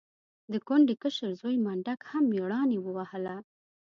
د کونډې کشر زوی منډک هم مېړانې ووهله.